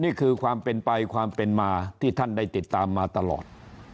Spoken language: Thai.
นี่คือความเป็นไปความเป็นมาที่ท่านได้ติดตามมาตลอด